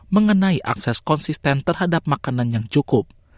mengenai akses konsisten terhadap makanan yang cukup